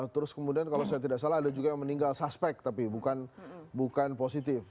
terus kemudian kalau saya tidak salah ada juga yang meninggal suspek tapi bukan positif